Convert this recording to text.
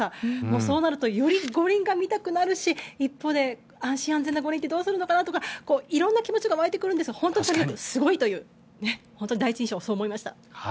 そうなるとより五輪が見たくなるし一方で、安心安全な五輪ってどうするのかなとか色んな気持ちが湧いてくるんですが本当にとにかくすごいという本当に第一印象でそう思いました。